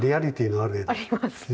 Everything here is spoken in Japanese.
ありますね。